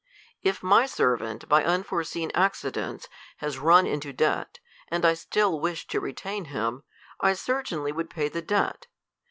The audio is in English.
If my servant, by unforeseen accidents, has run into debt, and I still wish to retain him, I certainly would pay the debt.